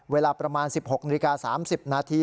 เวลาประมาณ๑๖นาฬิกา๓๐นาที